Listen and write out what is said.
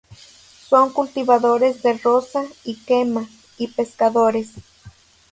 Son cultivadores de roza y quema, y pescadores.